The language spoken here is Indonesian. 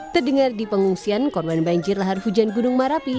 terdengar di pengungsian korban banjir lahar hujan gunung merapi